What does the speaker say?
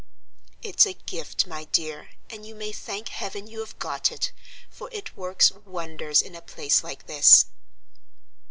It's a gift, my dear, and you may thank heaven you have got it, for it works wonders in a place like this."